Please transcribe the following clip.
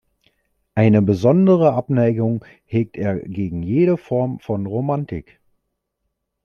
Eine besondere Abneigung hegt er gegen jede Form von Romantik.